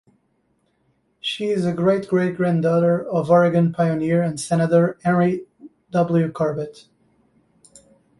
She is a great-great-granddaughter of Oregon pioneer and Senator Henry W. Corbett.